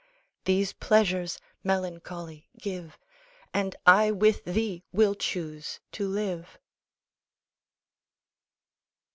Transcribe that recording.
These pleasures, Melancholy, give; And I with thee will choose to live.